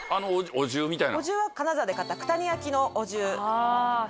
お重は金沢で買った九谷焼のお重。